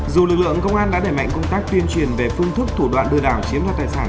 dù lực lượng công an đã đẩy mạnh công tác tuyên truyền về phương thức thủ đoạn lừa đảo chiếm đoạt tài sản